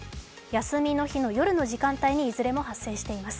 休みの日の夜の時間帯にいずれも発生しています。